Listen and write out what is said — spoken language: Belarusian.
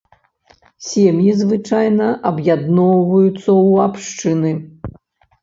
Сем'і звычайна аб'ядноўваюцца ў абшчыны.